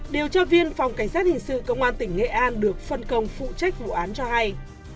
điều tra viên phòng cảnh sát hình sự công an tỉnh nghệ an được phân công phụ trách vụ án cho hay